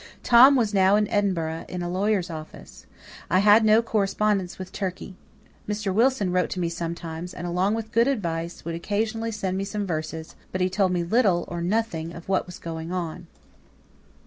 Tom was now in Edinburgh, in a lawyer's office. I had no correspondence with Turkey. Mr. Wilson wrote to me sometimes, and along with good advice would occasionally send me some verses, but he told me little or nothing of what was going on.